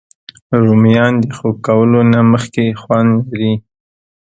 رومیان د خوب کولو نه مخکې خوند لري